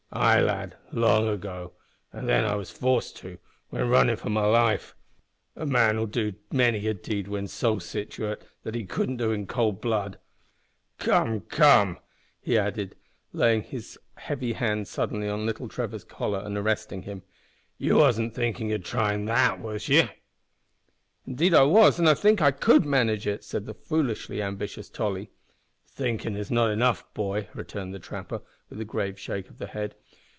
"Ay, lad, long ago, and then I was forced to, when runnin' for my life. A man'll do many a deed when so sitooate that he couldn't do in cold blood. Come, come, young feller," he added, suddenly laying his heavy hand on little Trevor's collar and arresting him, "you wasn't thinkin' o' tryin' it was ye?" "Indeed I was, and I think I could manage it," said the foolishly ambitious Tolly. "Thinkin' is not enough, boy," returned the trapper, with a grave shake of the head.